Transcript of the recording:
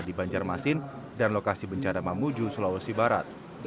di banjarmasin dan lokasi bencana mamuju sulawesi barat